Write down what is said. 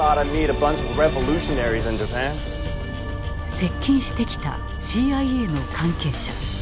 接近してきたＣＩＡの関係者。